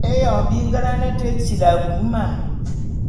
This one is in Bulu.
Éyoñg bi ngenane te tili abui mam...